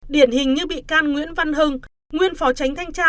điển hình như bị can nguyễn văn hưng nguyên phó tránh thanh tra